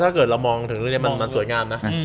ถ้าเกิดเรามองถึงเรื่องนี้มันสวยงามนะ